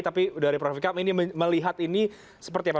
tapi dari prof vikam ini melihat ini seperti apa